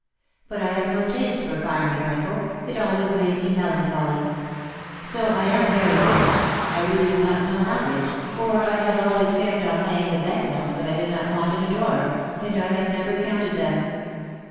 But I have no taste for finery, Michael, it always made me melancholy ; so I am very rich — I really do not know how rich, for I have always kept on laying the bank notes that I did not want in a drawer, and I have never counted them.